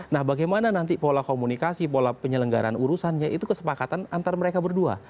nah bagaimana nanti pola komunikasi pola penyelenggaran urusannya itu kesepakatan antar mereka berdua